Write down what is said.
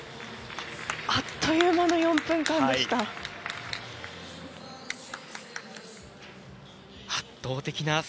あっという間の４分間でした。